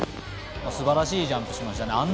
すばらしいジャンプしましたね。